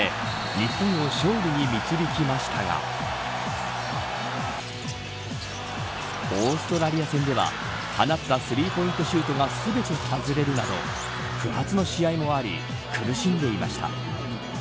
日本を勝利に導きましたがオーストラリア戦では放ったスリーポイントシュートが全て外れるなど不発の試合もあり苦しんでいました。